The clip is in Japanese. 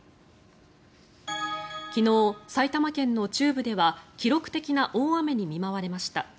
昨日、埼玉県の中部では記録的な大雨に見舞われました。